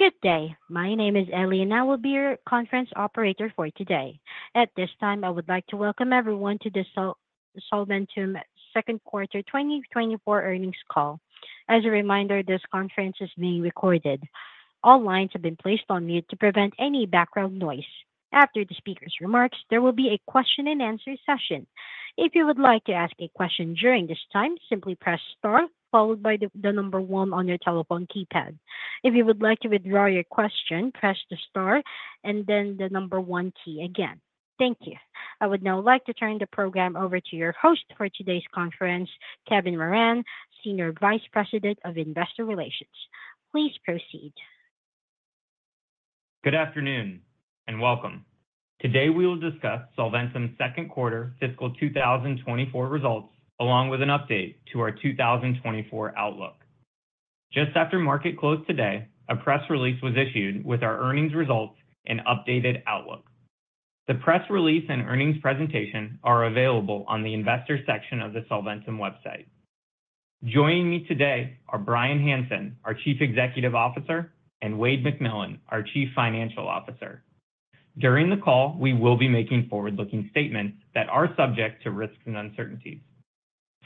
Good day. My name is Ellie, and I will be your conference operator for today. At this time, I would like to welcome everyone to the Solventum second quarter 2024 earnings call. As a reminder, this conference is being recorded. All lines have been placed on mute to prevent any background noise. After the speaker's remarks, there will be a question-and-answer session. If you would like to ask a question during this time, simply press star followed by the number one on your telephone keypad. If you would like to withdraw your question, press the star and then the number one key again. Thank you. I would now like to turn the program over to your host for today's conference, Kevin Moran, Senior Vice President of Investor Relations. Please proceed. Good afternoon, and welcome. Today, we will discuss Solventum's second quarter fiscal 2024 results, along with an update to our 2024 outlook. Just after market close today, a press release was issued with our earnings results and updated outlook. The press release and earnings presentation are available on the investor section of the Solventum website. Joining me today are Bryan Hanson, our Chief Executive Officer, and Wayde McMillan, our Chief Financial Officer. During the call, we will be making forward-looking statements that are subject to risks and uncertainties.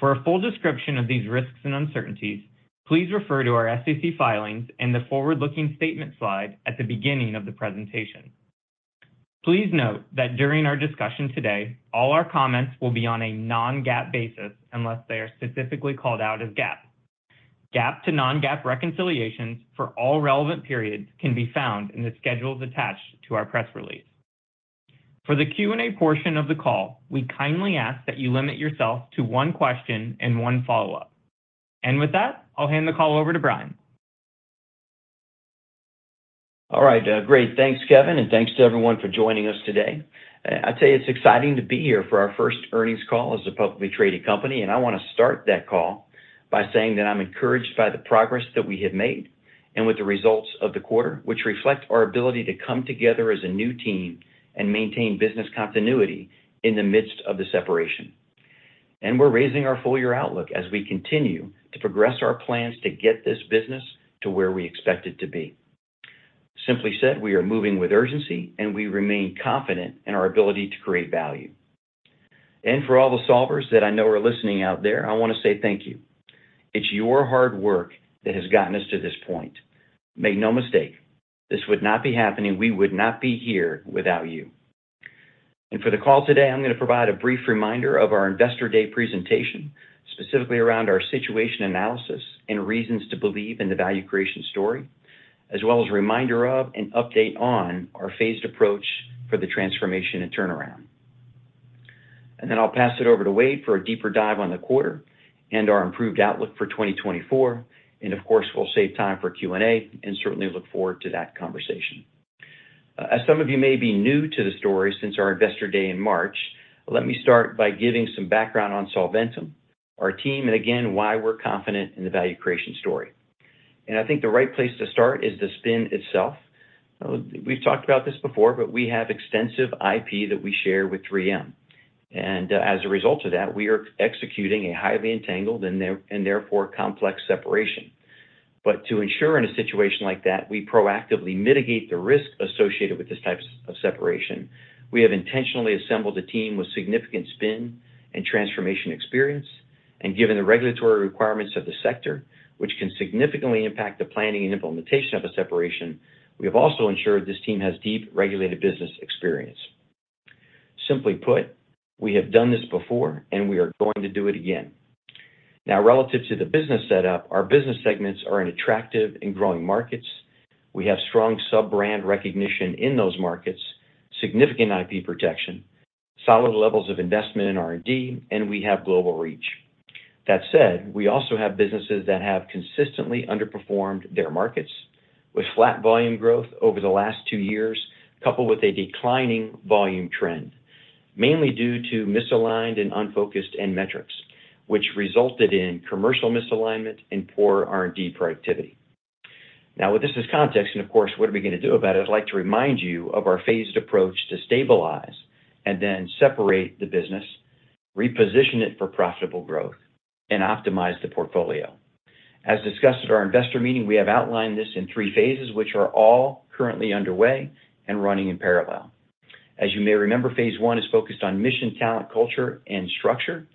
For a full description of these risks and uncertainties, please refer to our SEC filings and the forward-looking statement slide at the beginning of the presentation. Please note that during our discussion today, all our comments will be on a non-GAAP basis unless they are specifically called out as GAAP. GAAP to non-GAAP reconciliations for all relevant periods can be found in the schedules attached to our press release. For the Q&A portion of the call, we kindly ask that you limit yourself to one question and one follow-up. With that, I'll hand the call over to Bryan. All right, great. Thanks, Kevin, and thanks to everyone for joining us today. I'd say it's exciting to be here for our first earnings call as a publicly traded company, and I want to start that call by saying that I'm encouraged by the progress that we have made and with the results of the quarter, which reflect our ability to come together as a new team and maintain business continuity in the midst of the separation. We're raising our full-year outlook as we continue to progress our plans to get this business to where we expect it to be. Simply said, we are moving with urgency, and we remain confident in our ability to create value. For all the Solvers that I know are listening out there, I want to say thank you. It's your hard work that has gotten us to this point. Make no mistake, this would not be happening, we would not be here without you. For the call today, I'm going to provide a brief reminder of our Investor Day presentation, specifically around our situation analysis and reasons to believe in the value creation story, as well as a reminder of and update on our phased approach for the transformation and turnaround. Then I'll pass it over to Wayde for a deeper dive on the quarter and our improved outlook for 2024, and of course, we'll save time for Q&A, and certainly look forward to that conversation. As some of you may be new to the story since our Investor Day in March, let me start by giving some background on Solventum, our team, and again, why we're confident in the value creation story. I think the right place to start is the spin itself. We've talked about this before, but we have extensive IP that we share with 3M, and, as a result of that, we are executing a highly entangled and therefore, complex separation. But to ensure in a situation like that, we proactively mitigate the risk associated with this type of separation, we have intentionally assembled a team with significant spin and transformation experience, and given the regulatory requirements of the sector, which can significantly impact the planning and implementation of a separation, we have also ensured this team has deep regulated business experience. Simply put, we have done this before, and we are going to do it again. Now, relative to the business setup, our business segments are in attractive and growing markets. We have strong sub-brand recognition in those markets, significant IP protection, solid levels of investment in R&D, and we have global reach. That said, we also have businesses that have consistently underperformed their markets, with flat volume growth over the last two years, coupled with a declining volume trend, mainly due to misaligned and unfocused end metrics, which resulted in commercial misalignment and poor R&D productivity. Now, with this as context, and of course, what are we going to do about it? I'd like to remind you of our phased approach to stabilize and then separate the business, reposition it for profitable growth, and optimize the portfolio. As discussed at our investor meeting, we have outlined this in three phases, which are all currently underway and running in parallel. As you may remember, phase one is focused on mission, talent, culture, and structure,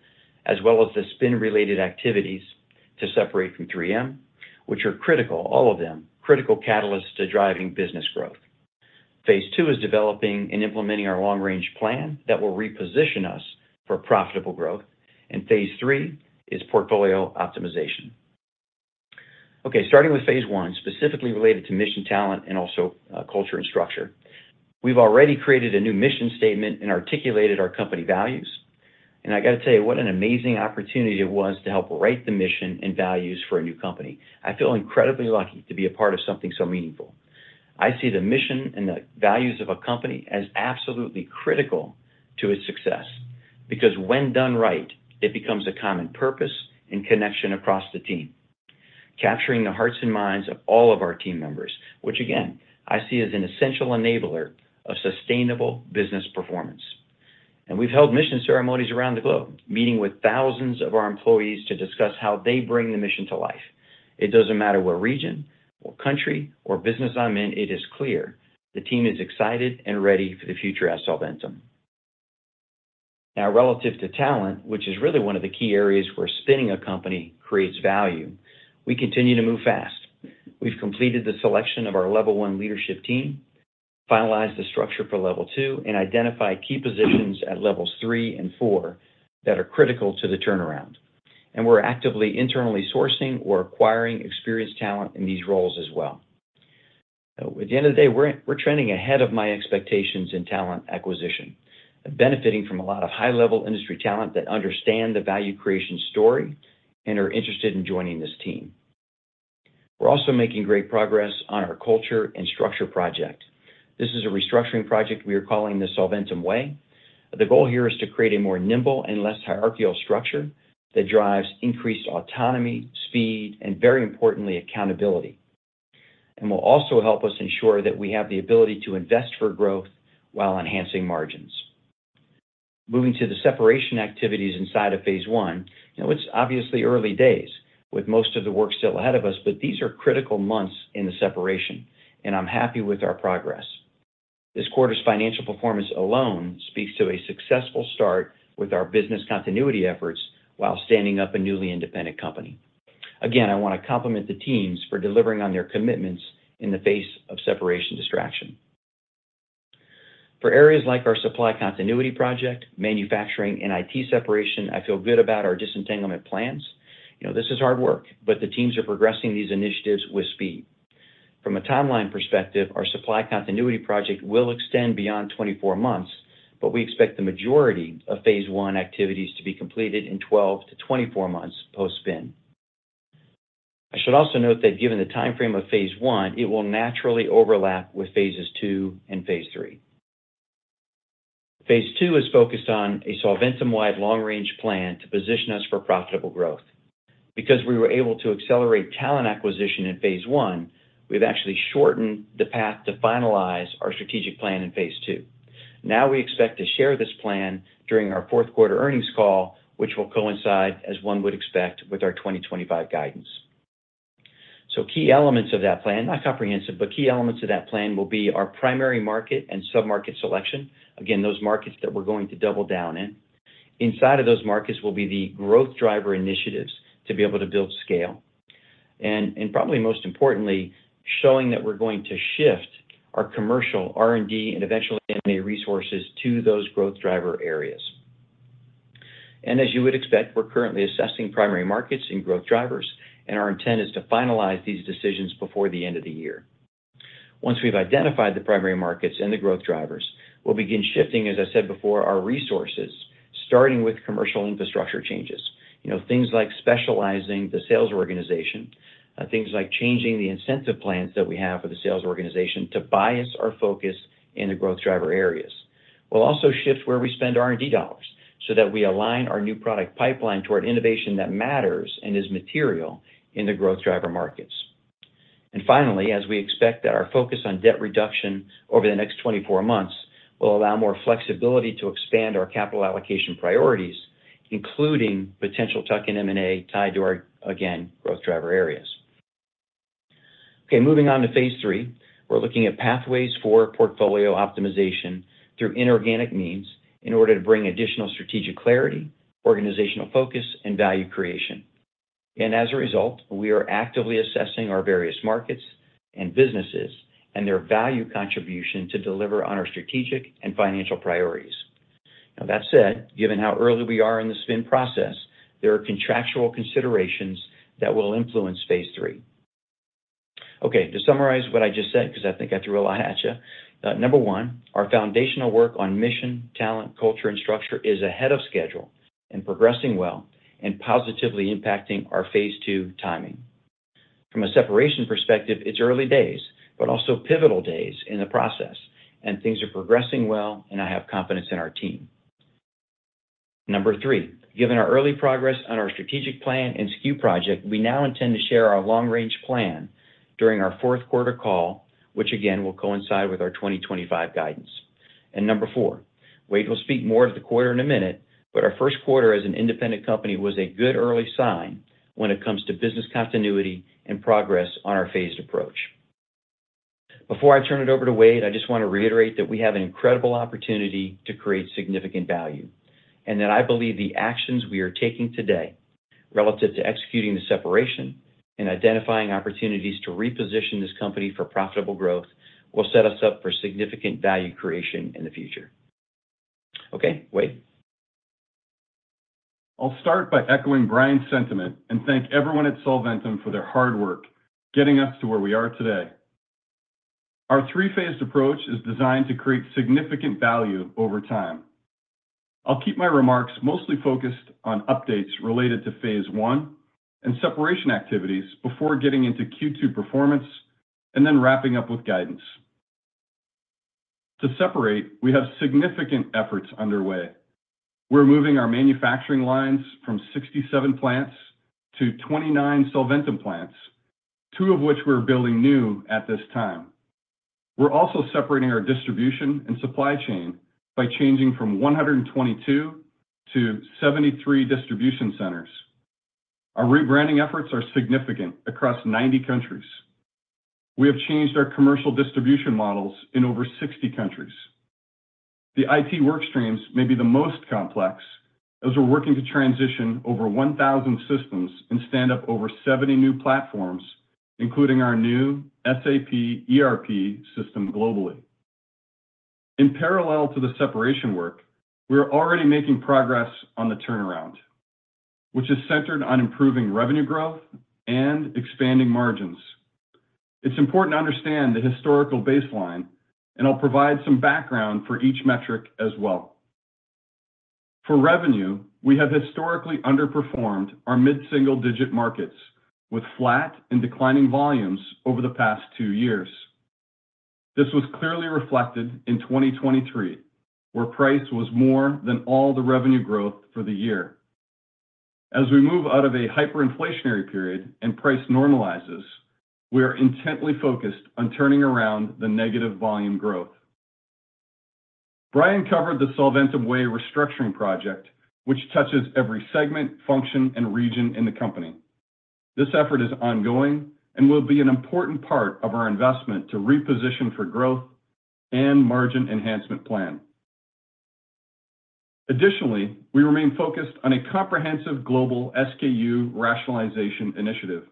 as well as the spin-related activities to separate from 3M, which are critical, all of them, critical catalysts to driving business growth. Phase two is developing and implementing our long-range plan that will reposition us for profitable growth. Phase three is portfolio optimization. Okay, starting with phase one, specifically related to mission, talent, and also, culture and structure. We've already created a new mission statement and articulated our company values, and I got to tell you, what an amazing opportunity it was to help write the mission and values for a new company. I feel incredibly lucky to be a part of something so meaningful. I see the mission and the values of a company as absolutely critical to its success, because when done right, it becomes a common purpose and connection across the team, capturing the hearts and minds of all of our team members, which again, I see as an essential enabler of sustainable business performance. We've held mission ceremonies around the globe, meeting with thousands of our employees to discuss how they bring the mission to life. It doesn't matter what region or country or business I'm in, it is clear the team is excited and ready for the future at Solventum. Now, relative to talent, which is really one of the key areas where spinning a company creates value, we continue to move fast. We've completed the selection of our level one leadership team, finalized the structure for level two, and identified key positions at levels three and four that are critical to the turnaround. We're actively internally sourcing or acquiring experienced talent in these roles as well. At the end of the day, we're trending ahead of my expectations in talent acquisition, benefiting from a lot of high-level industry talent that understand the value creation story and are interested in joining this team. We're also making great progress on our culture and structure project. This is a restructuring project we are calling The Solventum Way. The goal here is to create a more nimble and less hierarchical structure that drives increased autonomy, speed, and very importantly, accountability, and will also help us ensure that we have the ability to invest for growth while enhancing margins. Moving to the separation activities inside of phase one, you know, it's obviously early days, with most of the work still ahead of us, but these are critical months in the separation, and I'm happy with our progress. This quarter's financial performance alone speaks to a successful start with our business continuity efforts while standing up a newly independent company. Again, I want to compliment the teams for delivering on their commitments in the face of separation distraction. For areas like our supply continuity project, manufacturing, and IT separation, I feel good about our disentanglement plans. You know, this is hard work, but the teams are progressing these initiatives with speed. From a timeline perspective, our supply continuity project will extend beyond 24 months, but we expect the majority of phase one activities to be completed in 12-24 months post-spin. I should also note that given the timeframe of phase one, it will naturally overlap with phases two and phase three. Phase two is focused on a Solventum-wide long-range plan to position us for profitable growth. Because we were able to accelerate talent acquisition in phase one, we've actually shortened the path to finalize our strategic plan in phase two. Now, we expect to share this plan during our fourth quarter earnings call, which will coincide, as one would expect, with our 2025 guidance. So key elements of that plan, not comprehensive, but key elements of that plan will be our primary market and submarket selection. Again, those markets that we're going to double down in. Inside of those markets will be the growth driver initiatives to be able to build scale. And probably most importantly, showing that we're going to shift our commercial R&D and eventually M&A resources to those growth driver areas. And as you would expect, we're currently assessing primary markets and growth drivers, and our intent is to finalize these decisions before the end of the year. Once we've identified the primary markets and the growth drivers, we'll begin shifting, as I said before, our resources, starting with commercial infrastructure changes. You know, things like specializing the sales organization, things like changing the incentive plans that we have for the sales organization to bias our focus in the growth driver areas. We'll also shift where we spend R&D dollars, so that we align our new product pipeline toward innovation that matters and is material in the growth driver markets. And finally, as we expect that our focus on debt reduction over the next 24 months will allow more flexibility to expand our capital allocation priorities, including potential tuck-in M&A tied to our, again, growth driver areas. Okay, moving on to phase three. We're looking at pathways for portfolio optimization through inorganic means in order to bring additional strategic clarity, organizational focus, and value creation. And as a result, we are actively assessing our various markets and businesses and their value contribution to deliver on our strategic and financial priorities. Now, that said, given how early we are in the spin process, there are contractual considerations that will influence phase three. Okay, to summarize what I just said, because I think I threw a lot at you. Number 1, our foundational work on mission, talent, culture, and structure is ahead of schedule and progressing well and positively impacting our phase two timing. From a separation perspective, it's early days, but also pivotal days in the process, and things are progressing well, and I have confidence in our team. Number 3, given our early progress on our strategic plan and SKU project, we now intend to share our long-range plan during our fourth quarter call, which again, will coincide with our 2025 guidance. Number four, Wayde will speak more of the quarter in a minute, but our first quarter as an independent company was a good early sign when it comes to business continuity and progress on our phased approach. Before I turn it over to Wayde, I just want to reiterate that we have an incredible opportunity to create significant value, and that I believe the actions we are taking today relative to executing the separation and identifying opportunities to reposition this company for profitable growth will set us up for significant value creation in the future. Okay, Wayde? I'll start by echoing Bryan's sentiment and thank everyone at Solventum for their hard work getting us to where we are today. Our three-phased approach is designed to create significant value over time. I'll keep my remarks mostly focused on updates related to phase one and separation activities before getting into Q2 performance, and then wrapping up with guidance. To separate, we have significant efforts underway. We're moving our manufacturing lines from 67 plants to 29 Solventum plants, two of which we're building new at this time. We're also separating our distribution and supply chain by changing from 122 to 73 distribution centers. Our rebranding efforts are significant across 90 countries. We have changed our commercial distribution models in over 60 countries. The IT work streams may be the most complex, as we're working to transition over 1,000 systems and stand up over 70 new platforms, including our new SAP ERP system globally. In parallel to the separation work, we are already making progress on the turnaround, which is centered on improving revenue growth and expanding margins. It's important to understand the historical baseline, and I'll provide some background for each metric as well. For revenue, we have historically underperformed our mid-single-digit markets, with flat and declining volumes over the past two years. This was clearly reflected in 2023, where price was more than all the revenue growth for the year. As we move out of a hyperinflationary period and price normalizes, we are intently focused on turning around the negative volume growth. Bryan covered the Solventum Way restructuring project, which touches every segment, function, and region in the company. This effort is ongoing and will be an important part of our investment to reposition for growth and margin enhancement plan. Additionally, we remain focused on a comprehensive global SKU rationalization initiative.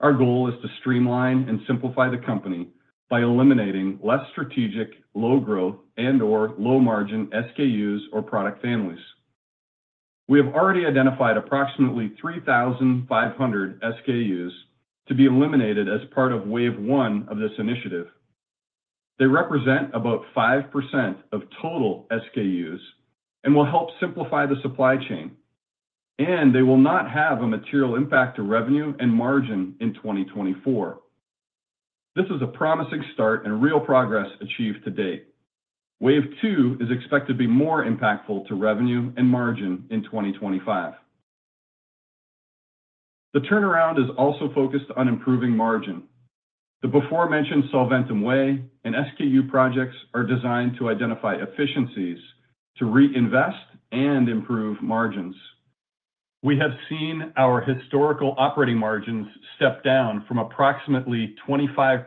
Our goal is to streamline and simplify the company by eliminating less strategic, low growth and/or low-margin SKUs or product families. We have already identified approximately 3,500 SKUs to be eliminated as part of wave one of this initiative. They represent about 5% of total SKUs and will help simplify the supply chain, and they will not have a material impact to revenue and margin in 2024. This is a promising start and real progress achieved to date. Wave two is expected to be more impactful to revenue and margin in 2025. The turnaround is also focused on improving margin. The before mentioned Solventum Way and SKU projects are designed to identify efficiencies to reinvest and improve margins. We have seen our historical operating margins step down from approximately 25%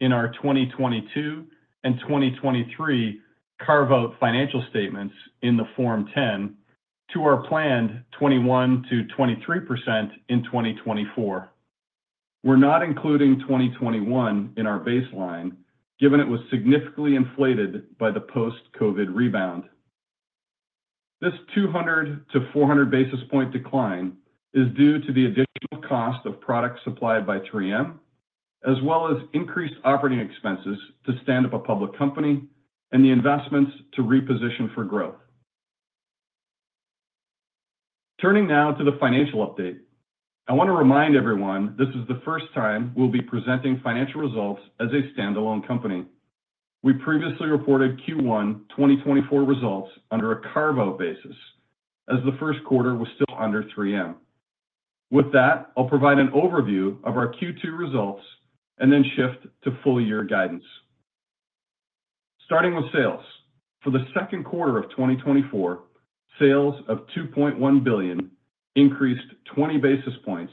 in our 2022 and 2023 carve-out financial statements in the Form 10, to our planned 21%-23% in 2024. We're not including 2021 in our baseline, given it was significantly inflated by the post-COVID rebound. This 200-400 basis point decline is due to the additional cost of products supplied by 3M, as well as increased operating expenses to stand up a public company and the investments to reposition for growth. Turning now to the financial update. I want to remind everyone this is the first time we'll be presenting financial results as a standalone company. We previously reported Q1 2024 results under a carve-out basis, as the first quarter was still under 3M. With that, I'll provide an overview of our Q2 results and then shift to full-year guidance. Starting with sales. For the second quarter of 2024, sales of $2.1 billion increased 20 basis points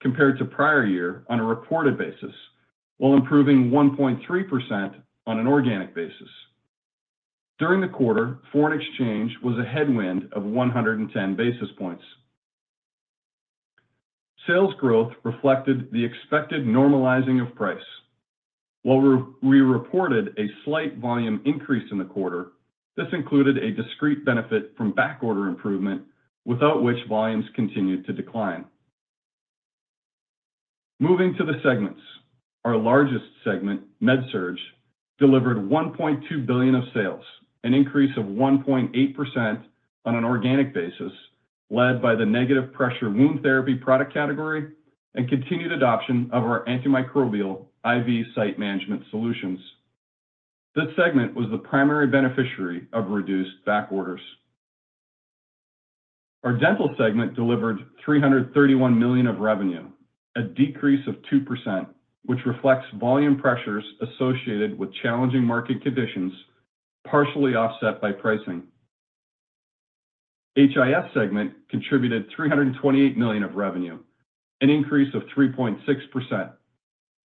compared to prior year on a reported basis, while improving 1.3% on an organic basis. During the quarter, foreign exchange was a headwind of 110 basis points. Sales growth reflected the expected normalizing of price. While we reported a slight volume increase in the quarter, this included a discrete benefit from backorder improvement, without which volumes continued to decline. Moving to the segments. Our largest segment, MedSurg, delivered $1.2 billion of sales, an increase of 1.8% on an organic basis, led by the negative pressure wound therapy product category and continued adoption of our antimicrobial IV site management solutions. This segment was the primary beneficiary of reduced backorders. Our Dental segment delivered $331 million of revenue, a decrease of 2%, which reflects volume pressures associated with challenging market conditions, partially offset by pricing. HIS segment contributed $328 million of revenue, an increase of 3.6%,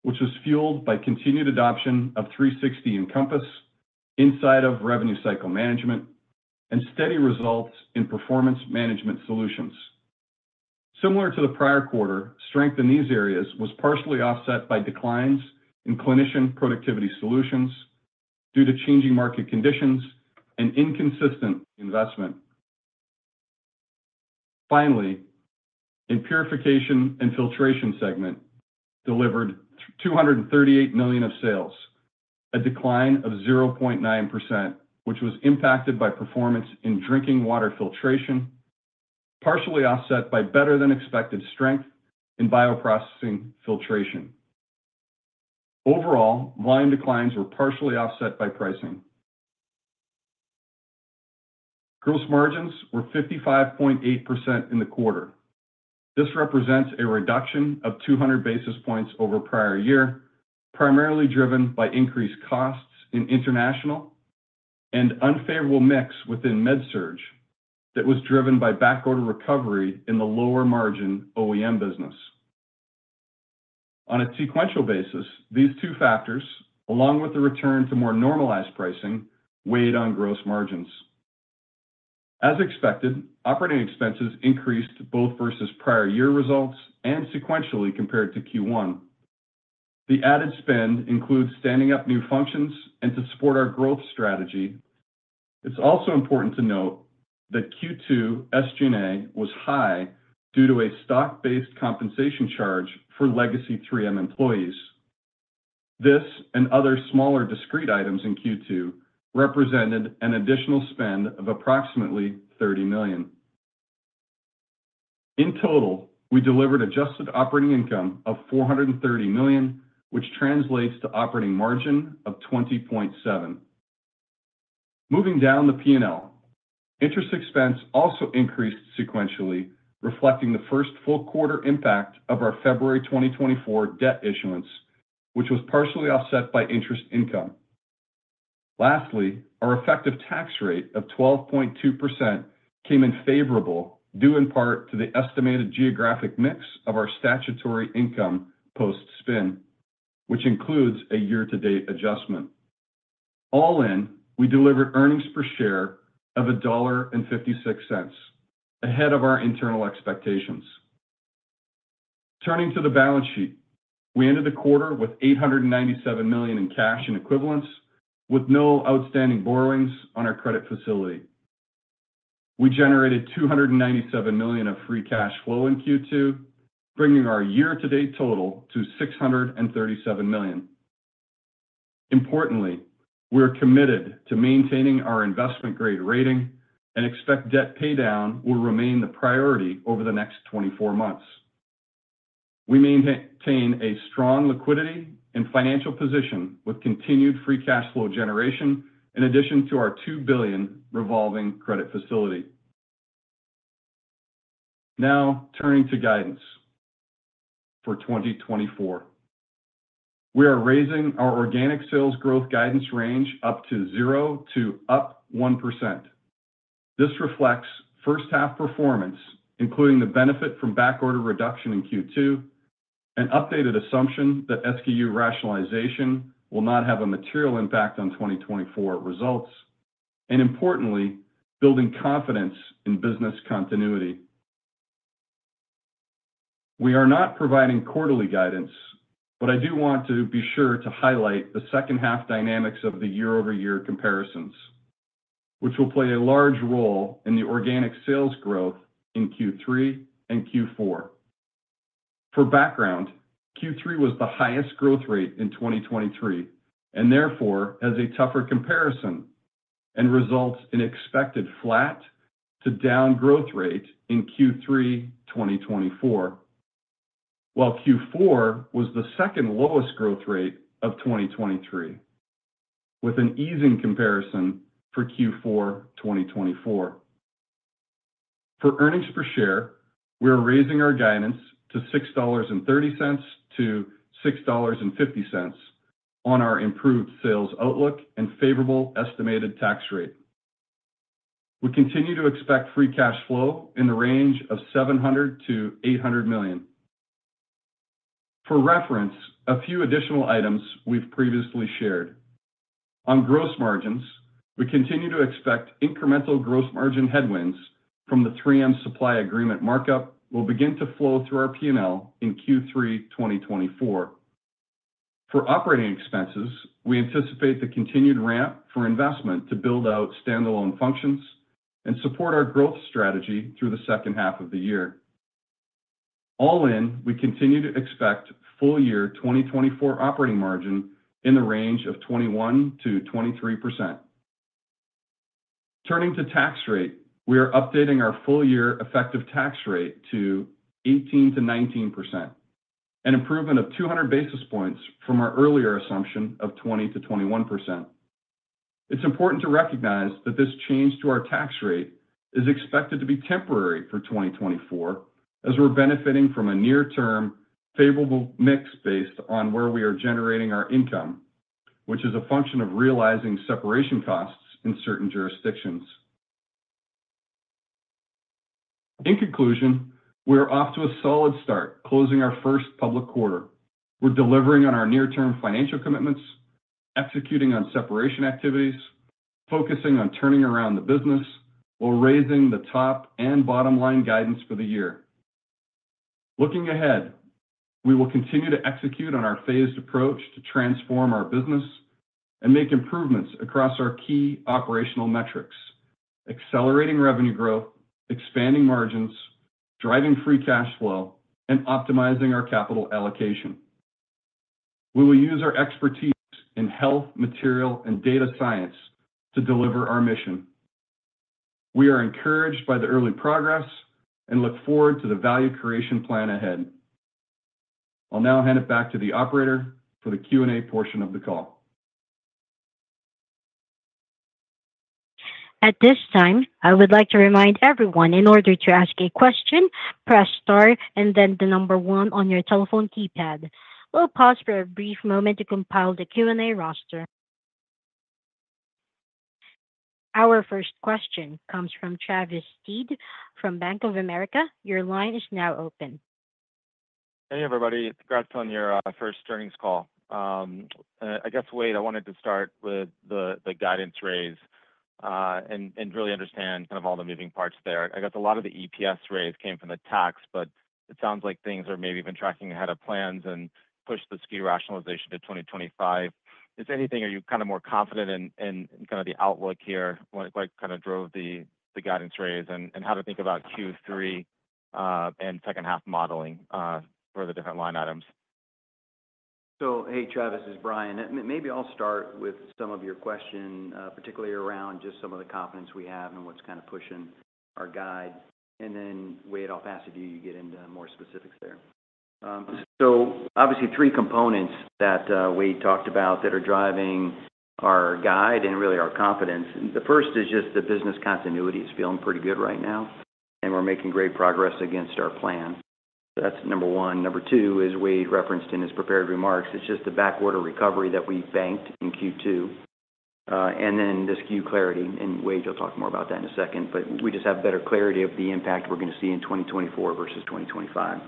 which was fueled by continued adoption of 360 Encompass inside of revenue cycle management and steady results in performance management solutions. Similar to the prior quarter, strength in these areas was partially offset by declines in clinician productivity solutions due to changing market conditions and inconsistent investment. Finally, our Purification and Filtration segment delivered $238 million of sales, a decline of 0.9%, which was impacted by performance in drinking water filtration, partially offset by better-than-expected strength in bioprocessing filtration. Overall, volume declines were partially offset by pricing. Gross margins were 55.8% in the quarter. This represents a reduction of 200 basis points over prior year, primarily driven by increased costs in international and unfavorable mix within MedSurg, that was driven by backorder recovery in the lower margin OEM business. On a sequential basis, these two factors, along with the return to more normalized pricing, weighed on gross margins. As expected, operating expenses increased both versus prior year results and sequentially compared to Q1. The added spend includes standing up new functions and to support our growth strategy. It's also important to note that Q2 SG&A was high due to a stock-based compensation charge for legacy 3M employees. This and other smaller discrete items in Q2 represented an additional spend of approximately $30 million. In total, we delivered adjusted operating income of $430 million, which translates to operating margin of 20.7%. Moving down the P&L, interest expense also increased sequentially, reflecting the first full quarter impact of our February 2024 debt issuance, which was partially offset by interest income. Lastly, our effective tax rate of 12.2% came in favorable, due in part to the estimated geographic mix of our statutory income post-spin, which includes a year-to-date adjustment. All in, we delivered earnings per share of $1.56, ahead of our internal expectations. Turning to the balance sheet, we ended the quarter with $897 million in cash and equivalents, with no outstanding borrowings on our credit facility. We generated $297 million of free cash flow in Q2, bringing our year-to-date total to $637 million. Importantly, we're committed to maintaining our investment-grade rating and expect debt paydown will remain the priority over the next 24 months. We maintain a strong liquidity and financial position with continued free cash flow generation, in addition to our $2 billion revolving credit facility. Now, turning to guidance for 2024. We are raising our organic sales growth guidance range up to 0% to up 1%. This reflects first half performance, including the benefit from backorder reduction in Q2, an updated assumption that SKU rationalization will not have a material impact on 2024 results, and importantly, building confidence in business continuity. We are not providing quarterly guidance, but I do want to be sure to highlight the second half dynamics of the year-over-year comparisons, which will play a large role in the organic sales growth in Q3 and Q4. For background, Q3 was the highest growth rate in 2023, and therefore, has a tougher comparison and results in expected flat to down growth rate in Q3 2024, while Q4 was the second lowest growth rate of 2023, with an easing comparison for Q4 2024. For earnings per share, we are raising our guidance to $6.30-$6.50 on our improved sales outlook and favorable estimated tax rate. We continue to expect free cash flow in the range of $700 million-$800 million. For reference, a few additional items we've previously shared. On gross margins, we continue to expect incremental gross margin headwinds from the 3M supply agreement markup will begin to flow through our P&L in Q3 2024. For operating expenses, we anticipate the continued ramp for investment to build out standalone functions and support our growth strategy through the second half of the year. All in, we continue to expect full year 2024 operating margin in the range of 21%-23%. Turning to tax rate, we are updating our full year effective tax rate to 18%-19%, an improvement of 200 basis points from our earlier assumption of 20%-21%. It's important to recognize that this change to our tax rate is expected to be temporary for 2024, as we're benefiting from a near-term favorable mix based on where we are generating our income, which is a function of realizing separation costs in certain jurisdictions. In conclusion, we're off to a solid start closing our first public quarter. We're delivering on our near-term financial commitments, executing on separation activities, focusing on turning around the business, while raising the top and bottom line guidance for the year. Looking ahead, we will continue to execute on our phased approach to transform our business and make improvements across our key operational metrics, accelerating revenue growth, expanding margins, driving free cash flow, and optimizing our capital allocation. We will use our expertise in health, material, and data science to deliver our mission. We are encouraged by the early progress and look forward to the value creation plan ahead. ... I'll now hand it back to the operator for the Q&A portion of the call. At this time, I would like to remind everyone, in order to ask a question, press Star and then the number 1 on your telephone keypad. We'll pause for a brief moment to compile the Q&A roster. Our first question comes from Travis Steed from Bank of America. Your line is now open. Hey, everybody. Congrats on your first earnings call. I guess, Wayde, I wanted to start with the guidance raise, and really understand kind of all the moving parts there. I guess a lot of the EPS raise came from the tax, but it sounds like things are maybe even tracking ahead of plans and push the SKU rationalization to 2025. If anything, are you kind of more confident in kind of the outlook here, what like kind of drove the guidance raise, and how to think about Q3 and second half modeling for the different line items? So, hey, Travis, it's Bryan. Maybe I'll start with some of your question, particularly around just some of the confidence we have and what's kind of pushing our guide. And then, Wayde, I'll pass it to you. You get into more specifics there. So obviously, three components that we talked about that are driving our guide and really our confidence. The first is just the business continuity is feeling pretty good right now, and we're making great progress against our plan. That's number one. Number two, as Wayde referenced in his prepared remarks, it's just the backorder recovery that we banked in Q2, and then the SKU clarity, and Wayde, you'll talk more about that in a second, but we just have better clarity of the impact we're going to see in 2024 versus 2025.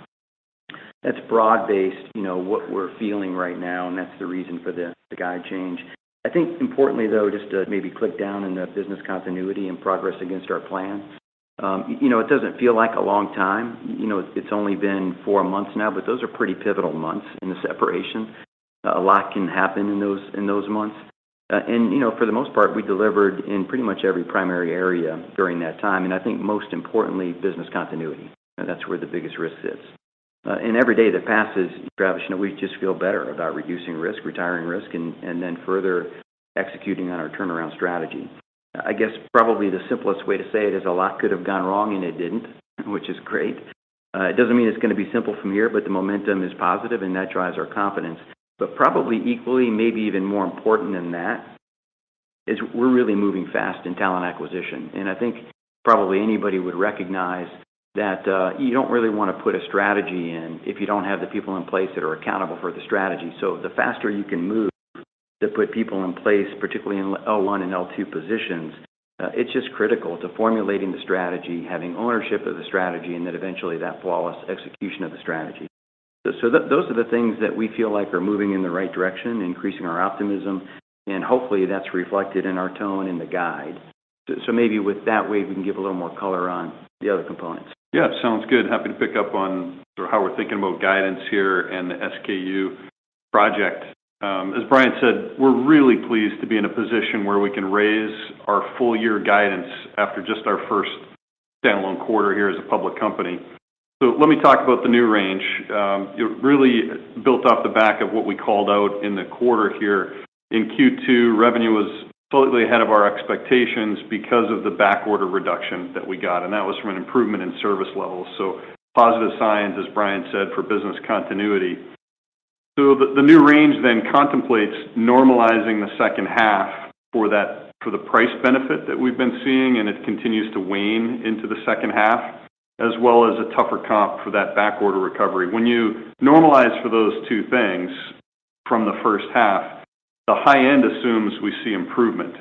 That's broad-based, you know, what we're feeling right now, and that's the reason for the guide change. I think importantly, though, just to maybe click down in the business continuity and progress against our plans. You know, it doesn't feel like a long time. You know, it's only been four months now, but those are pretty pivotal months in the separation. A lot can happen in those months. And you know, for the most part, we delivered in pretty much every primary area during that time, and I think most importantly, business continuity. That's where the biggest risk is. And every day that passes, Travis, you know, we just feel better about reducing risk, retiring risk, and then further executing on our turnaround strategy. I guess probably the simplest way to say it is a lot could have gone wrong and it didn't, which is great. It doesn't mean it's going to be simple from here, but the momentum is positive, and that drives our confidence. But probably equally, maybe even more important than that, is we're really moving fast in talent acquisition. I think probably anybody would recognize that, you don't really want to put a strategy in if you don't have the people in place that are accountable for the strategy. The faster you can move to put people in place, particularly in L1 and L2 positions, it's just critical to formulating the strategy, having ownership of the strategy, and then eventually that flawless execution of the strategy. So, so those are the things that we feel like are moving in the right direction, increasing our optimism, and hopefully, that's reflected in our tone and the guide. So maybe with that, Wayde, we can give a little more color on the other components. Yeah, sounds good. Happy to pick up on how we're thinking about guidance here and the SKU project. As Bryan said, we're really pleased to be in a position where we can raise our full year guidance after just our first standalone quarter here as a public company. So let me talk about the new range. It really built off the back of what we called out in the quarter here. In Q2, revenue was slightly ahead of our expectations because of the backorder reduction that we got, and that was from an improvement in service levels. So positive signs, as Bryan said, for business continuity. So the new range then contemplates normalizing the second half for that, for the price benefit that we've been seeing, and it continues to wane into the second half, as well as a tougher comp for that backorder recovery. When you normalize for those two things from the first half, the high end assumes we see improvement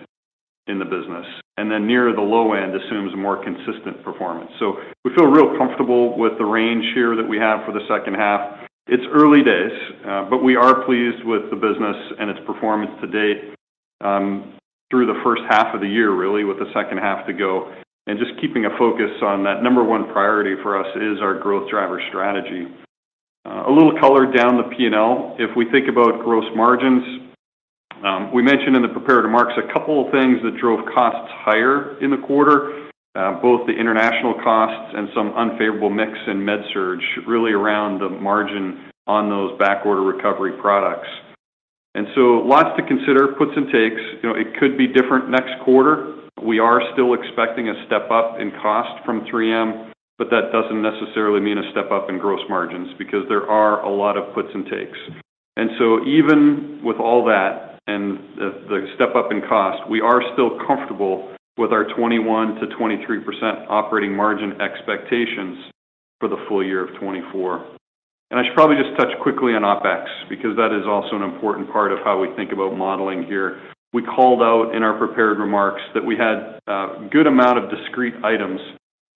in the business, and then near the low end assumes a more consistent performance. So we feel real comfortable with the range here that we have for the second half. It's early days, but we are pleased with the business and its performance to date, through the first half of the year, really, with the second half to go. And just keeping a focus on that number one priority for us is our growth driver strategy. A little color down the P&L. If we think about gross margins, we mentioned in the prepared remarks a couple of things that drove costs higher in the quarter, both the international costs and some unfavorable mix in MedSurg, really around the margin on those backorder recovery products. And so lots to consider, puts and takes. You know, it could be different next quarter. We are still expecting a step up in cost from 3M, but that doesn't necessarily mean a step up in gross margins because there are a lot of puts and takes. And so even with all that and the, the step up in cost, we are still comfortable with our 21%-23% operating margin expectations for the full year of 2024. And I should probably just touch quickly on OpEx, because that is also an important part of how we think about modeling here. We called out in our prepared remarks that we had a good amount of discrete items,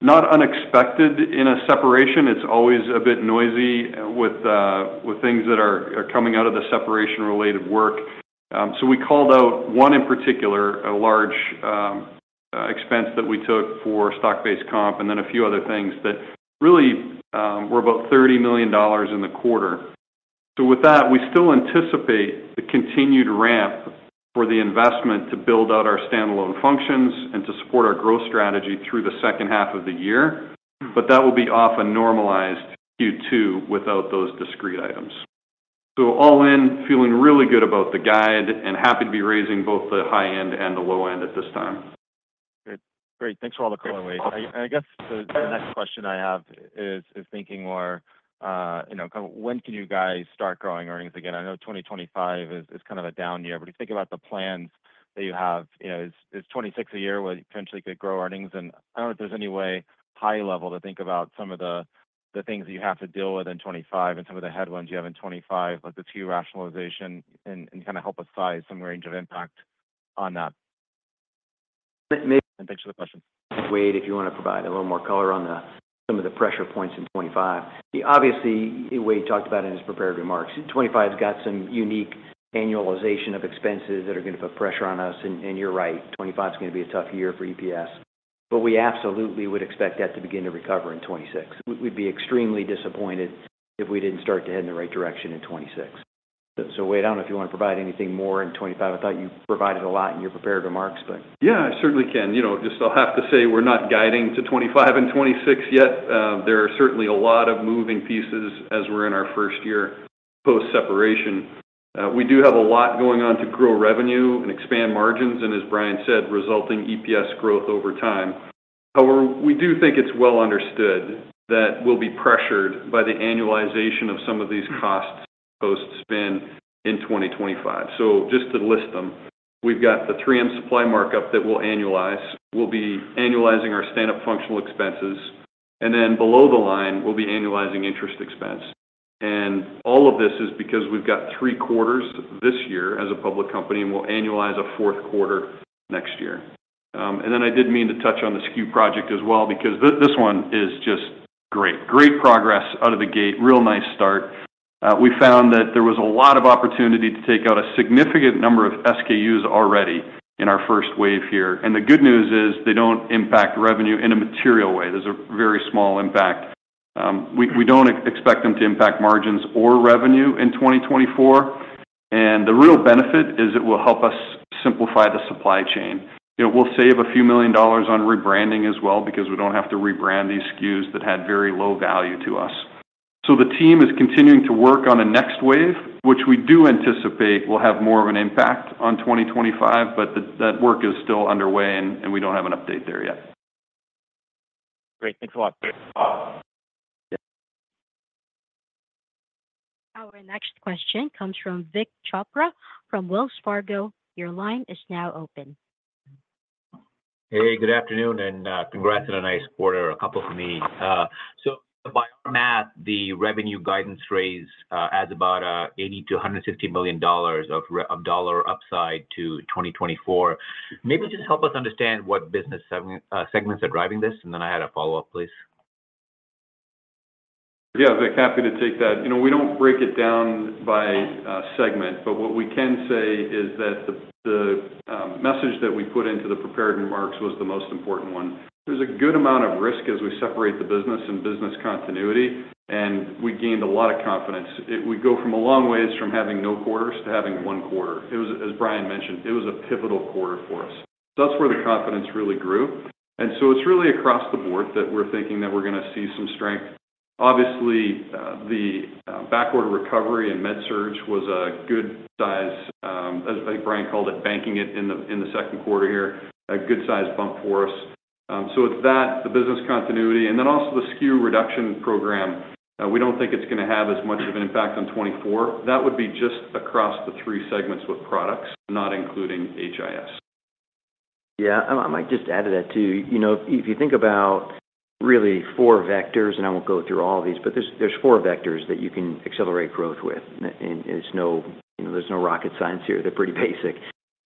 not unexpected in a separation. It's always a bit noisy with, with things that are, are coming out of the separation-related work. So we called out one in particular, a large expense that we took for stock-based comp, and then a few other things that really were about $30 million in the quarter. So with that, we still anticipate the continued ramp for the investment to build out our standalone functions and to support our growth strategy through the second half of the year, but that will be off a normalized Q2 without those discrete items. So all in, feeling really good about the guide and happy to be raising both the high end and the low end at this time. ... Great. Thanks for all the color, Wayde. I guess the next question I have is thinking more, you know, kind of when can you guys start growing earnings again? I know 2025 is kind of a down year, but if you think about the plans that you have, you know, is 2026 a year where you potentially could grow earnings? And I don't know if there's any way, high level, to think about some of the things that you have to deal with in 2025 and some of the headlines you have in 2025, like the SKU rationalization, and kind of help us size some range of impact on that. Maybe-- Thanks for the question. Wayde, if you want to provide a little more color on the, some of the pressure points in 2025. Obviously, Wayde talked about it in his prepared remarks. 2025's got some unique annualization of expenses that are going to put pressure on us, and, and you're right, 2025 is going to be a tough year for EPS. But we absolutely would expect that to begin to recover in 2026. We-we'd be extremely disappointed if we didn't start to head in the right direction in 2026. So Wayde, I don't know if you want to provide anything more in 2025. I thought you provided a lot in your prepared remarks, but- Yeah, I certainly can. You know, just I'll have to say we're not guiding to 2025 and 2026 yet. There are certainly a lot of moving pieces as we're in our first year post-separation. We do have a lot going on to grow revenue and expand margins, and as Bryan said, resulting EPS growth over time. However, we do think it's well understood that we'll be pressured by the annualization of some of these costs post-spin in 2025. So just to list them, we've got the 3M supply markup that we'll annualize. We'll be annualizing our stand-up functional expenses, and then below the line, we'll be annualizing interest expense. And all of this is because we've got 3 quarters this year as a public company, and we'll annualize a fourth quarter next year. And then I did mean to touch on the SKU project as well, because this one is just great. Great progress out of the gate, real nice start. We found that there was a lot of opportunity to take out a significant number of SKUs already in our first wave here. And the good news is, they don't impact revenue in a material way. There's a very small impact. We don't expect them to impact margins or revenue in 2024, and the real benefit is it will help us simplify the supply chain. It will save $ a few million on rebranding as well, because we don't have to rebrand these SKUs that had very low value to us. So the team is continuing to work on a next wave, which we do anticipate will have more of an impact on 2025, but that work is still underway, and we don't have an update there yet. Great. Thanks a lot. Yeah. Our next question comes from Vik Chopra from Wells Fargo. Your line is now open. Hey, good afternoon, and congrats on a nice quarter, a couple for me. So by our math, the revenue guidance raise adds about $80 million-$150 million of dollar upside to 2024. Maybe just help us understand what business segments are driving this, and then I had a follow-up, please. Yeah, Vik, happy to take that. You know, we don't break it down by segment, but what we can say is that the message that we put into the prepared remarks was the most important one. There's a good amount of risk as we separate the business and business continuity, and we gained a lot of confidence. We go from a long ways from having no quarters to having one quarter. It was, as Bryan mentioned, it was a pivotal quarter for us. That's where the confidence really grew. And so it's really across the board that we're thinking that we're going to see some strength. Obviously, the backorder recovery and MedSurg was a good size, as I think Bryan called it, banking it in the second quarter here, a good size bump for us. So it's that, the business continuity, and then also the SKU reduction program. We don't think it's going to have as much of an impact on 2024. That would be just across the three segments with products, not including HIS. Yeah, I might just add to that, too. You know, if you think about really four vectors, and I won't go through all of these, but there's four vectors that you can accelerate growth with. And it's no... You know, there's no rocket science here. They're pretty basic,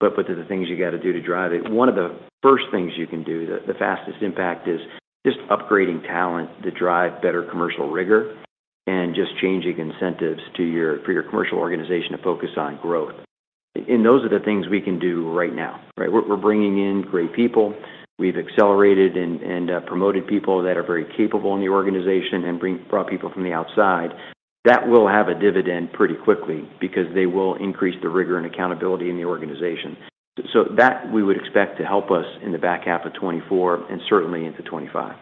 but they're the things you got to do to drive it. One of the first things you can do, the fastest impact, is just upgrading talent to drive better commercial rigor and just changing incentives to your—for your commercial organization to focus on growth. And those are the things we can do right now, right? We're bringing in great people. We've accelerated and promoted people that are very capable in the organization and brought people from the outside. That will have a dividend pretty quickly because they will increase the rigor and accountability in the organization. So that we would expect to help us in the back half of 2024 and certainly into 2025.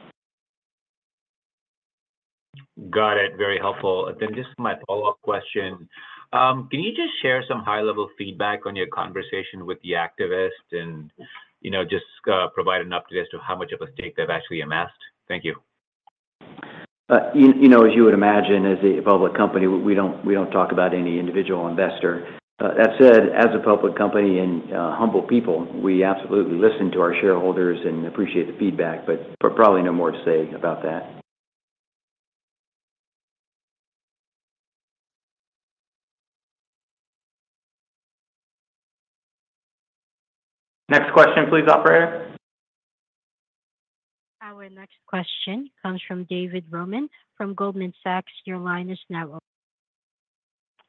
Got it. Very helpful. Then just my follow-up question. Can you just share some high-level feedback on your conversation with the activist and, you know, just, provide an update as to how much of a stake they've actually amassed? Thank you. You know, as you would imagine, as a public company, we don't talk about any individual investor. That said, as a public company and humble people, we absolutely listen to our shareholders and appreciate the feedback, but probably no more to say about that. Next question, please, operator. Our next question comes from David Roman from Goldman Sachs. Your line is now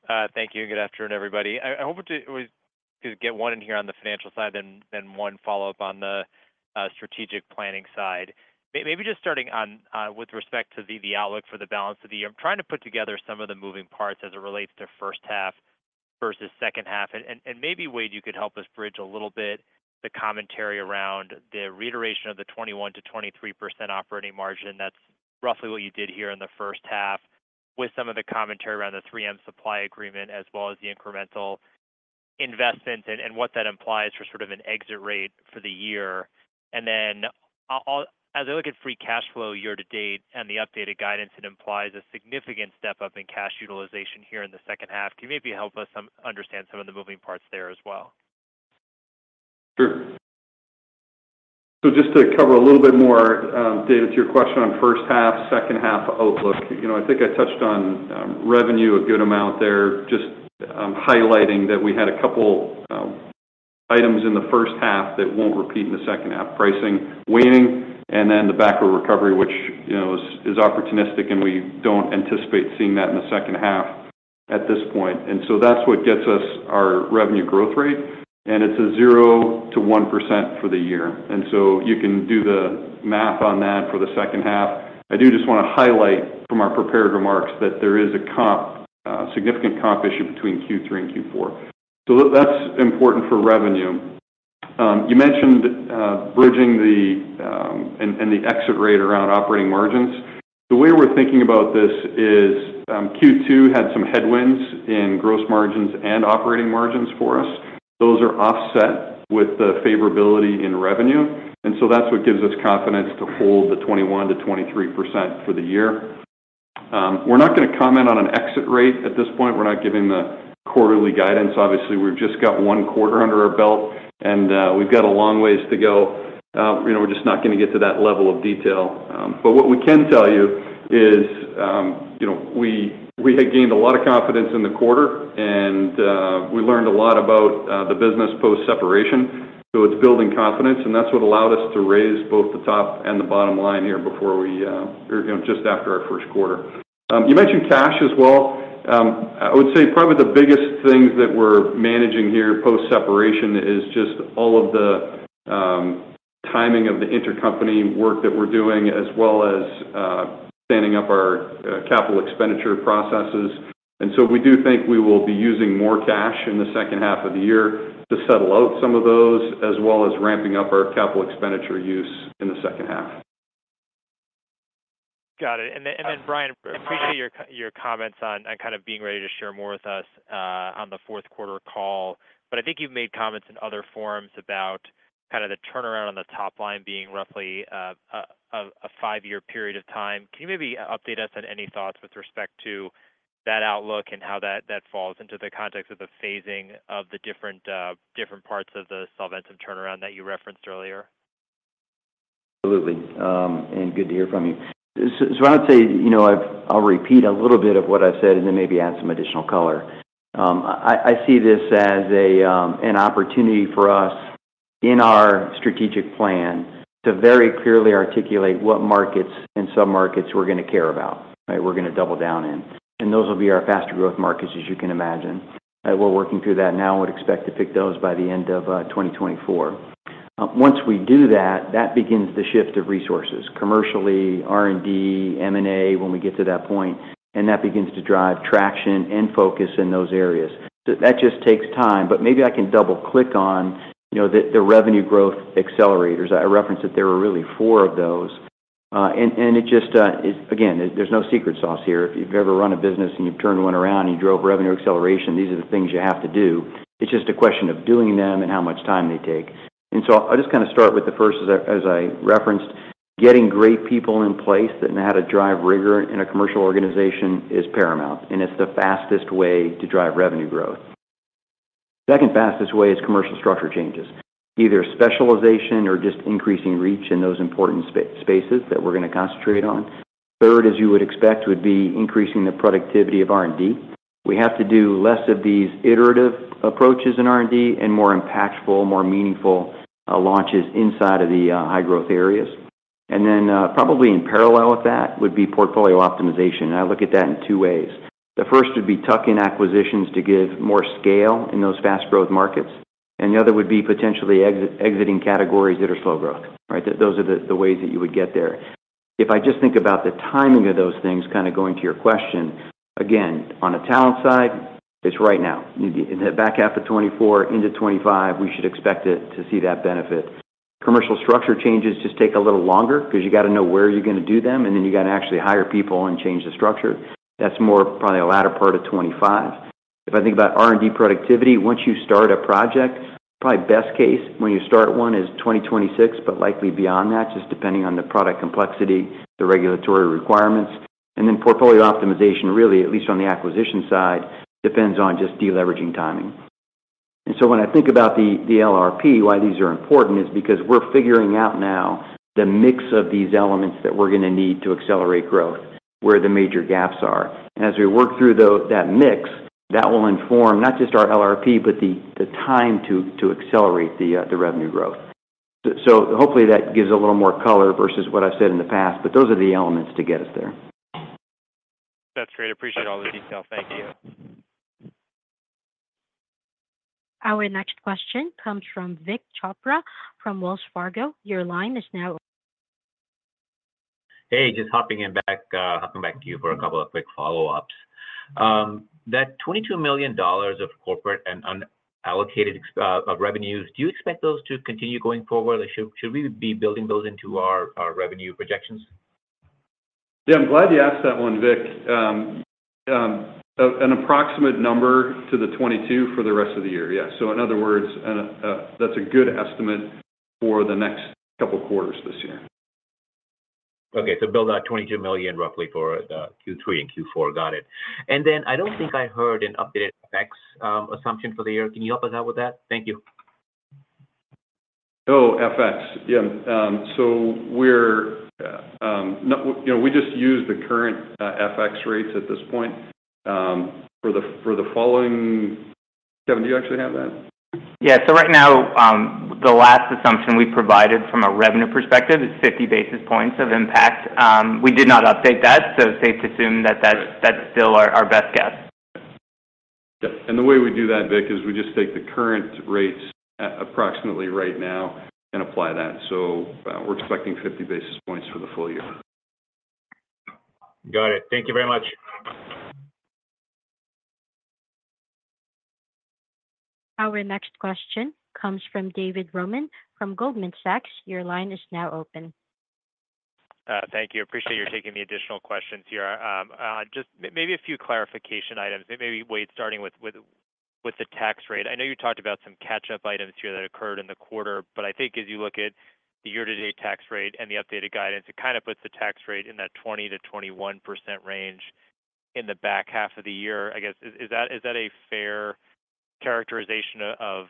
open. Thank you, and good afternoon, everybody. I hoped to get one in here on the financial side and one follow-up on the strategic planning side. Maybe just starting on with respect to the outlook for the balance of the year. I'm trying to put together some of the moving parts as it relates to first half versus second half. And maybe, Wade, you could help us bridge a little bit the commentary around the reiteration of the 21%-23% operating margin. That's roughly what you did here in the first half with some of the commentary around the 3M supply agreement, as well as the incremental investment and what that implies for sort of an exit rate for the year. And then as I look at free cash flow year to date and the updated guidance, it implies a significant step-up in cash utilization here in the second half. Can you maybe help us understand some of the moving parts there as well? Sure. So just to cover a little bit more, David, to your question on first half, second half outlook, you know, I think I touched on revenue a good amount there, just highlighting that we had a couple items in the first half that won't repeat in the second half. Pricing waning, and then the backorder recovery, which, you know, is opportunistic, and we don't anticipate seeing that in the second half at this point. And so that's what gets us our revenue growth rate, and it's 0%-1% for the year. And so you can do the math on that for the second half. I do just wanna highlight from our prepared remarks that there is a significant comp issue between Q3 and Q4. So that's important for revenue. You mentioned bridging the exit rate around operating margins. The way we're thinking about this is, Q2 had some headwinds in gross margins and operating margins for us. Those are offset with the favorability in revenue, and so that's what gives us confidence to hold the 21%-23% for the year. We're not gonna comment on an exit rate at this point. We're not giving the quarterly guidance. Obviously, we've just got one quarter under our belt, and we've got a long ways to go. We're just not gonna get to that level of detail. But what we can tell you is, you know, we had gained a lot of confidence in the quarter, and we learned a lot about the business post-separation, so it's building confidence, and that's what allowed us to raise both the top and the bottom line here before we, or, you know, just after our first quarter. You mentioned cash as well. I would say probably the biggest things that we're managing here post-separation is just all of the timing of the intercompany work that we're doing, as well as standing up our capital expenditure processes. And so we do think we will be using more cash in the second half of the year to settle out some of those, as well as ramping up our capital expenditure use in the second half. Got it. And then, and then, Bryan, appreciate your comments on, on kind of being ready to share more with us, on the fourth quarter call. But I think you've made comments in other forums about kind of the turnaround on the top line being roughly, a five-year period of time. Can you maybe update us on any thoughts with respect to that outlook and how that falls into the context of the phasing of the different, different parts of the Solventum turnaround that you referenced earlier? Absolutely, and good to hear from you. So, I would say, you know, I'll repeat a little bit of what I said and then maybe add some additional color. I see this as an opportunity for us in our strategic plan to very clearly articulate what markets and submarkets we're gonna care about, right? We're gonna double down in. And those will be our faster growth markets, as you can imagine. We're working through that now and would expect to pick those by the end of 2024. Once we do that, that begins the shift of resources, commercially, R&D, M&A, when we get to that point, and that begins to drive traction and focus in those areas. That just takes time, but maybe I can double-click on, you know, the revenue growth accelerators. I referenced that there are really four of those, and it just, again, there's no secret sauce here. If you've ever run a business and you've turned one around and you drove revenue acceleration, these are the things you have to do. It's just a question of doing them and how much time they take. And so I'll just kind of start with the first as I referenced, getting great people in place that know how to drive rigor in a commercial organization is paramount, and it's the fastest way to drive revenue growth. Second fastest way is commercial structure changes, either specialization or just increasing reach in those important spaces that we're gonna concentrate on. Third, as you would expect, would be increasing the productivity of R&D. We have to do less of these iterative approaches in R&D and more impactful, more meaningful, launches inside of the, high growth areas. And then, probably in parallel with that, would be portfolio optimization, and I look at that in two ways. The first would be tuck-in acquisitions to give more scale in those fast growth markets, and the other would be potentially exiting categories that are slow growth, right? Those are the ways that you would get there. If I just think about the timing of those things, kind of going to your question, again, on the talent side, it's right now. In the back half of 2024 into 2025, we should expect it to see that benefit. Commercial structure changes just take a little longer because you gotta know where you're gonna do them, and then you gotta actually hire people and change the structure. That's more probably the latter part of 2025. If I think about R&D productivity, once you start a project, probably best case when you start one is 2026, but likely beyond that, just depending on the product complexity, the regulatory requirements. And then portfolio optimization, really, at least on the acquisition side, depends on just deleveraging timing. And so when I think about the LRP, why these are important, is because we're figuring out now the mix of these elements that we're gonna need to accelerate growth, where the major gaps are. And as we work through that mix, that will inform not just our LRP, but the time to accelerate the revenue growth. So, hopefully that gives a little more color versus what I've said in the past, but those are the elements to get us there. That's great. Appreciate all the detail. Thank you. Our next question comes from Vik Chopra from Wells Fargo. Your line is now- Hey, just hopping back to you for a couple of quick follow-ups. That $22 million of corporate and unallocated expenses, do you expect those to continue going forward, or should we be building those into our revenue projections? Yeah, I'm glad you asked that one, Vik. An approximate number to the 22 for the rest of the year. Yes. So in other words, that's a good estimate for the next couple quarters this year. Okay. Build out $22 million roughly for Q3 and Q4. Got it. I don't think I heard an updated FX assumption for the year. Can you help us out with that? Thank you. Oh, FX. Yeah, so we're, you know, we just use the current FX rates at this point, for the following... Kevin, do you actually have that? Yeah. So right now, the last assumption we provided from a revenue perspective is 50 basis points of impact. We did not update that, so it's safe to assume that that's- Right. -that's still our best guess. Yeah. And the way we do that, Vik, is we just take the current rates approximately right now and apply that. So, we're expecting 50 basis points for the full year. Got it. Thank you very much. Our next question comes from David Roman from Goldman Sachs. Your line is now open. Thank you. Appreciate you taking the additional questions here. Just maybe a few clarification items. Maybe, Wayde, starting with the tax rate. I know you talked about some catch-up items here that occurred in the quarter, but I think as you look at the year-to-date tax rate and the updated guidance, it kind of puts the tax rate in that 20%-21% range in the back half of the year. I guess, is that a fair characterization of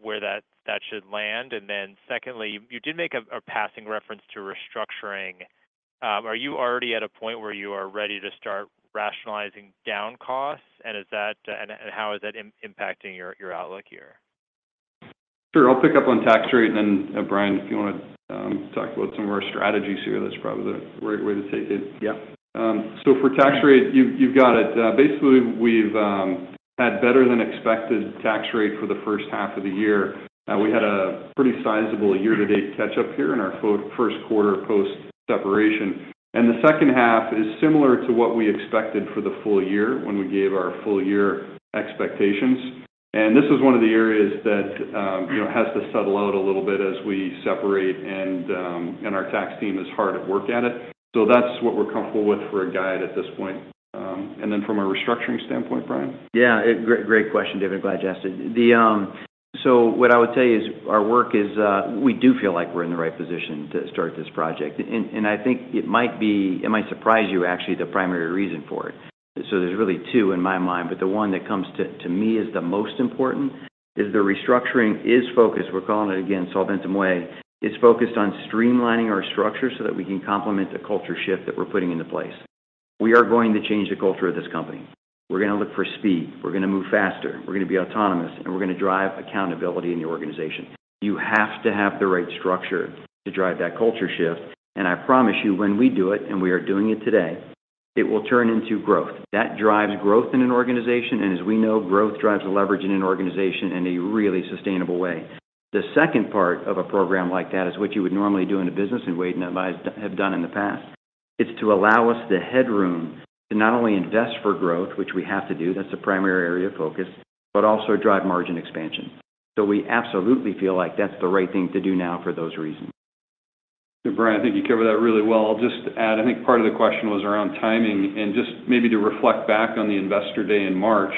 where that should land? And then secondly, you did make a passing reference to restructuring. Are you already at a point where you are ready to start rationalizing down costs? And is that impacting your outlook here? Sure. I'll pick up on tax rate, and then, Bryan, if you wanna talk about some of our strategies here, that's probably the right way to take it. Yeah. So for tax rate, you've got it. Basically, we've had better-than-expected tax rate for the first half of the year. We had a pretty sizable year-to-date catch-up here in our first quarter post-separation. And the second half is similar to what we expected for the full year when we gave our full year expectations. And this is one of the areas that, you know, has to settle out a little bit as we separate, and our tax team is hard at work at it. So that's what we're comfortable with for a guide at this point. And then from a restructuring standpoint, Bryan? Yeah, great, great question, David. Glad you asked it. So what I would say is our work is, we do feel like we're in the right position to start this project. And I think it might surprise you, actually, the primary reason for it. So there's really two in my mind, but the one that comes to me as the most important is the restructuring is focused. We're calling it, again, Solventum Way. It's focused on streamlining our structure so that we can complement the culture shift that we're putting into place. We are going to change the culture of this company. We're gonna look for speed, we're gonna move faster, we're gonna be autonomous, and we're gonna drive accountability in the organization. You have to have the right structure to drive that culture shift, and I promise you, when we do it, and we are doing it today, it will turn into growth. That drives growth in an organization, and as we know, growth drives leverage in an organization in a really sustainable way. The second part of a program like that is what you would normally do in a business, and Wayde and I have done in the past. It's to allow us the headroom to not only invest for growth, which we have to do, that's the primary area of focus, but also drive margin expansion. So we absolutely feel like that's the right thing to do now for those reasons. Bryan, I think you covered that really well. I'll just add, I think part of the question was around timing and just maybe to reflect back on the Investor Day in March,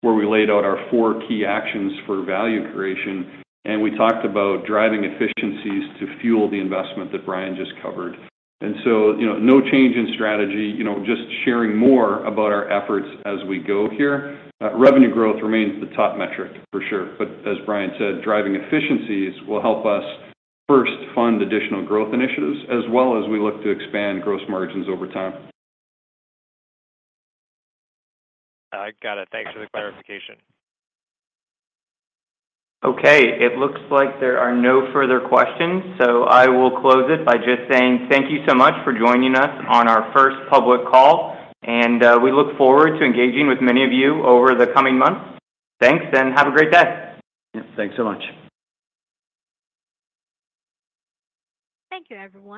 where we laid out our four key actions for value creation, and we talked about driving efficiencies to fuel the investment that Bryan just covered. And so, you know, no change in strategy, you know, just sharing more about our efforts as we go here. Revenue growth remains the top metric, for sure. But as Bryan said, driving efficiencies will help us first fund additional growth initiatives, as well as we look to expand gross margins over time. I got it. Thanks for the clarification. Okay, it looks like there are no further questions, so I will close it by just saying thank you so much for joining us on our first public call, and, we look forward to engaging with many of you over the coming months. Thanks, and have a great day. Yeah, thanks so much. Thank you, everyone.